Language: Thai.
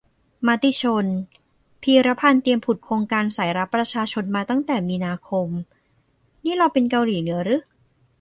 มติชน :"พีระพันธุ์เตรียมผุดโครงการสายลับประชาชนมาตั้งแต่มีนาคม" นี่เราเป็นเกาหลีเหนือรึ ?